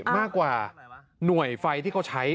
มากกว่าหน่วยไฟที่เขาใช้